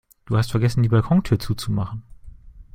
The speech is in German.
Du hast vergessen, die Balkontür zuzumachen.